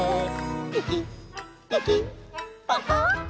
「ピキピキパカ！」